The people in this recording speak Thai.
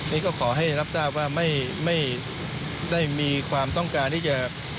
นี่ก็ขอให้รับทราบว่าไม่ได้มีความต้องการที่จะ